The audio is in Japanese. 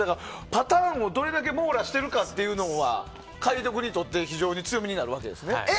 パターンをどれだけ網羅しているかというのは解読にとって非常に強みになるわけですね。